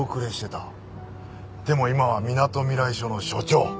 でも今はみなとみらい署の署長。